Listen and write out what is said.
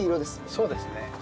そうですね。